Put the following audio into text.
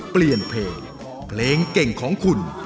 เปลี่ยนเพลงเพลงเก่งของคุณ